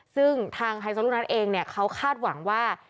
ซึ่งทางไฮซอลุนัทเองเนี่ยเขาคาดหวังว่า